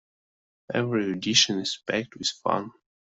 Every edition is packed with fun!